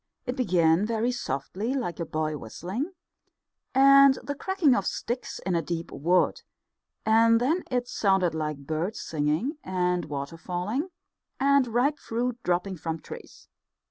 It began very softly, like a boy whistling, and the cracking of sticks in a deep wood, and then it sounded like birds singing, and water falling, and ripe fruit dropping from trees.